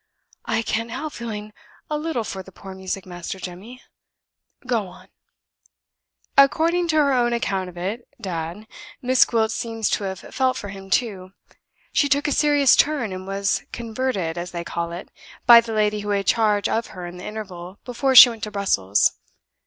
"I can't help feeling a little for the poor music master, Jemmy. Go on." "According to her own account of it, dad, Miss Gwilt seems to have felt for him too. She took a serious turn; and was 'converted' (as they call it) by the lady who had charge of her in the interval before she went to Brussels.